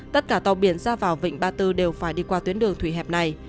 tất cả tàu biển ra vào vịnh ba tư đều phải đi qua tuyến đường thủy hẹp này